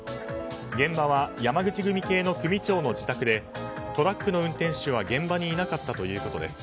現場は山口組系の組長の自宅でトラックの運転手は現場にいなかったということです。